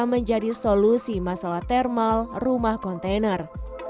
menjadi solusi masalah thermal rumah kontainer